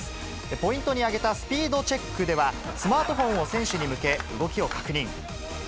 ポイントに挙げたスピードチェックでは、スマートフォンを選手に向け、動きを確認。